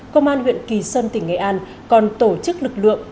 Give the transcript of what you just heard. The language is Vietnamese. công an huyện kỳ sơn tỉnh nghệ an còn tổ chức lực lượng